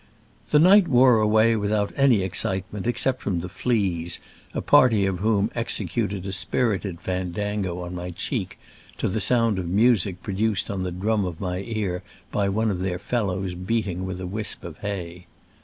The night wore away without any ex citement, except from the fleas, a party of whom executed a spirited fandango on my cheek to the sound of music pro duced on the drum of my ear by one of their fellows beating with a wisp of hay.